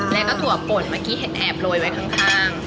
แล้วก็ถั่วป่นเมื่อกี้เห็นแอบโรยไว้ข้าง